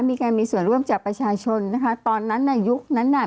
มีการมีส่วนร่วมจากประชาชนนะคะตอนนั้นน่ะยุคนั้นน่ะ